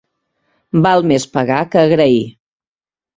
Val més pagar que agrair.